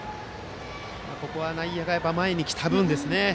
ここは内野が前に来た分ですね